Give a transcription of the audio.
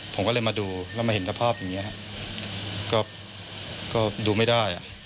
ผมก็เลยมาดูแล้วมาเห็นสภาพอย่างนี้ก็ดูไม่ได้